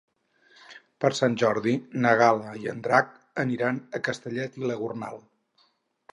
Per Sant Jordi na Gal·la i en Drac aniran a Castellet i la Gornal.